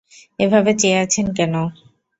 এভাবে চেয়ে আছেন কেন?